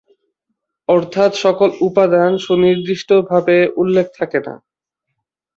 অর্থাৎ, সকল উপাদান সুনির্দিষ্টভাবে উল্লেখ থাকে না।